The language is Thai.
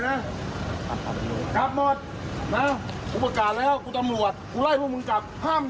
ไม่ได้เบิร์ดไม่ได้เบิร์ดไม่ได้ทางไปที่คนไหม